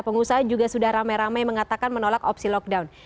pengusaha juga sudah rame rame mengatakan menolak opsi lockdown